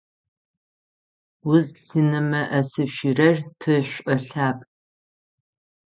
Узлъынэмыӏэсышъурэр пшӏолъапӏ.